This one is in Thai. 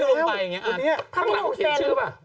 ข้างหลังเขียนชื่อหรือเปล่า